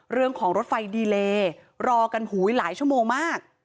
เรื่องของรถไฟดีเลย์รอกันหูยหลายชั่วโมงมาก